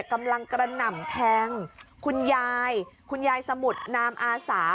กำลังกระหน่ำแทงคุณยายคุณยายสมุทรนามอาสา